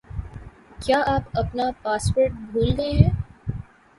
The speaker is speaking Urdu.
کیا آپ اپنا پاسورڈ بھول گئے ہیں